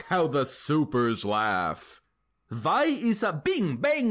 how the supers laugh! Vhy iss a—(Bing! Bang!